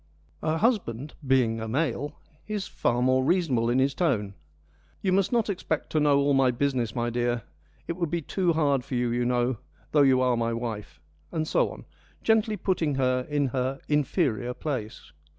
Her husband, being a male, is far more reasonable in his tone :' You must not expect to know all my business, my dear : it would be too hard for you, you know, though you are my wife,' and so on, gently putting her in her inferior place.